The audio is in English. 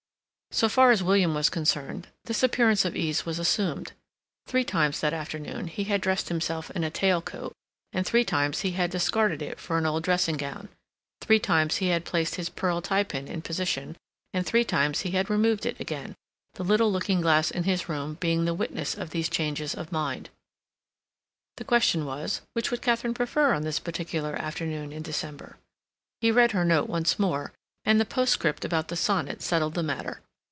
So far as William was concerned, this appearance of ease was assumed. Three times that afternoon he had dressed himself in a tail coat, and three times he had discarded it for an old dressing gown; three times he had placed his pearl tie pin in position, and three times he had removed it again, the little looking glass in his room being the witness of these changes of mind. The question was, which would Katharine prefer on this particular afternoon in December? He read her note once more, and the postscript about the sonnet settled the matter.